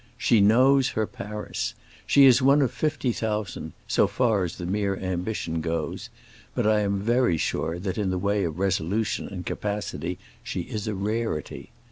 She knows her Paris. She is one of fifty thousand, so far as the mere ambition goes; but I am very sure that in the way of resolution and capacity she is a rarity.